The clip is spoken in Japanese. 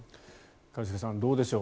一茂さん、どうでしょう。